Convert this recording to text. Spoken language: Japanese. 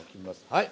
はい。